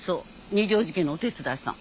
二条路家のお手伝いさん。